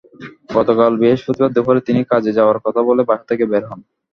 গতকাল বৃহস্পতিবার দুপুরে তিনি কাজে যাওয়ার কথা বলে বাসা থেকে বের হন।